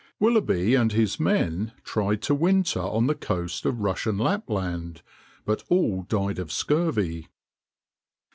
Willoughby and his men tried to winter on the coast of Russian Lapland, but all died of scurvy.